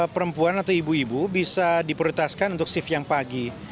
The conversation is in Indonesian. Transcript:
perempuan atau ibu ibu bisa diprioritaskan untuk shift yang pagi